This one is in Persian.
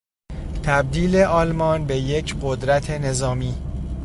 تبدیل آلمان به یک قدرت نظامی